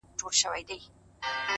خیر دی قبر ته دي هم په یوه حال نه راځي’